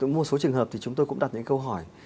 một số trường hợp thì chúng tôi cũng đặt những câu hỏi